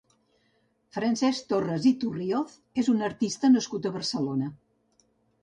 Francesc Torres Iturrioz és un artista nascut a Barcelona.